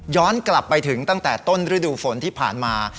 กลับไปถึงตั้งแต่ต้นฤดูฝนที่ผ่านมา